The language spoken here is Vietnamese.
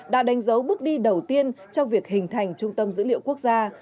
đã đánh dấu bước đi đầu tiên trong việc hình thành trung tâm dữ liệu quốc gia